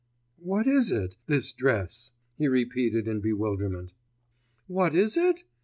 'What is it? ... this dress,' he repeated in bewilderment. 'What is it?